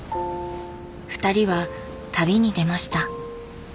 ふたりは旅に出ました。